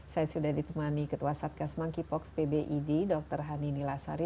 saya sudah ditemani ketua satgas monkeypox pbid dr hani nilasari